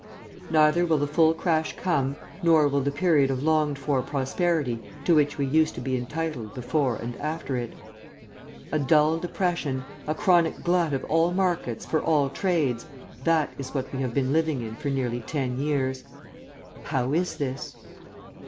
Neither will the full crash come; nor will the period of longed for prosperity to which we used to be entitled before and after it. A dull depression, a chronic glut of all markets for all trades, that is what we have been living in for nearly ten years. How is this?